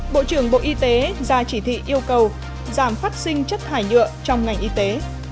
bộ trưởng bộ y tế ra chỉ thị yêu cầu giảm phát sinh chất thải nhựa trong ngành y tế